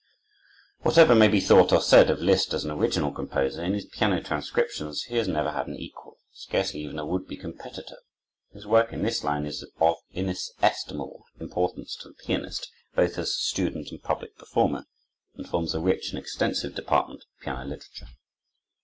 Whatever may be thought or said of Liszt as an original composer, in his piano transcriptions he has never had an equal, scarcely even a would be competitor. His work in this line is of inestimable importance to the pianist, both as student and public performer, and forms a rich and extensive department of piano literature.